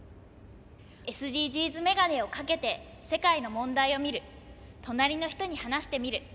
ＳＤＧｓメガネをかけて世界の問題を見る隣の人に話してみる。